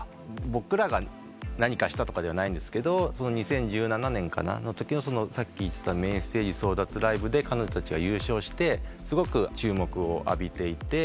僕らが何かしたとかではないんですけど２０１７年のときのさっき言ってたメインステージ争奪ＬＩＶＥで彼女たちは優勝してすごく注目を浴びていて。